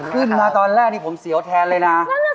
ขึ้นมาตอนแรกนี่ผมเสียวแทนเลยนะ